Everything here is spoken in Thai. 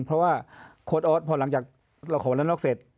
เพราะว่าโค้ดออสพอหลังจากเราขอวันนั้นนอกเสร็จ